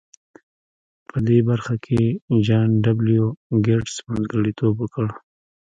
په دې برخه کې جان ډبلیو ګیټس منځګړیتوب وکړ